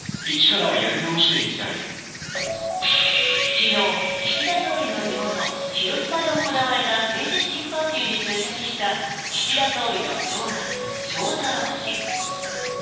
昨日、岸田総理の地元・広島で行われた政治資金パーティーに出席した岸田総理の長男・翔太郎氏。